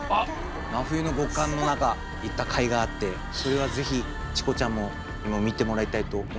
真冬の極寒の中行ったかいがあってこれはぜひチコちゃんにも見てもらいたいと思います。